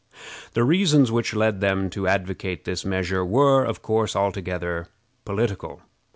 The reasons which led them to advocate this measure were, of course, altogether political.